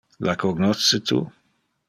La cognosce tu?